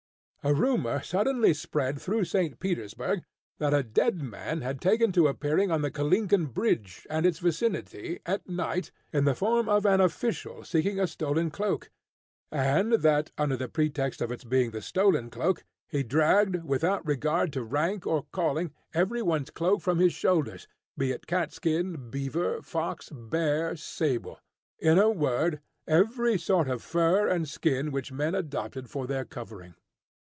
A rumour suddenly spread through St. Petersburg, that a dead man had taken to appearing on the Kalinkin Bridge, and its vicinity, at night in the form of an official seeking a stolen cloak, and that, under the pretext of its being the stolen cloak, he dragged, without regard to rank or calling, every one's cloak from his shoulders, be it cat skin, beaver, fox, bear, sable, in a word, every sort of fur and skin which men adopted for their covering.